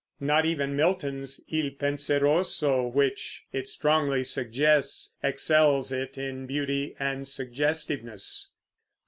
Not even Milton's "Il Penseroso," which it strongly suggests, excels it in beauty and suggestiveness.